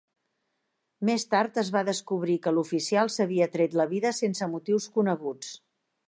Més tard es va descobrir que l'oficial s'havia tret la vida sense motius coneguts.